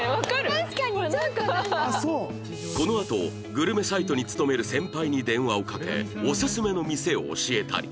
このあとグルメサイトに勤める先輩に電話をかけオススメの店を教えたり